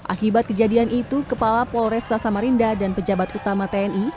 akibat kejadian itu kepala polresta samarinda dan pejabat utama tni